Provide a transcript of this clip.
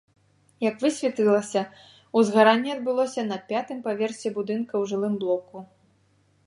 Як высветлілася, узгаранне адбылося на пятым паверсе будынка ў жылым блоку.